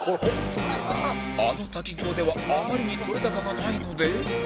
あの滝行ではあまりに撮れ高がないので